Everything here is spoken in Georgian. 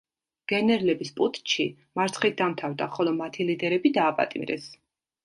გენერლების პუტჩი მარცხით დამთავრდა, ხოლო მათი ლიდერები დააპატიმრეს.